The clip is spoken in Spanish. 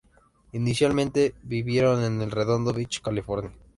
Inicialmente vivieron en en Redondo Beach, California.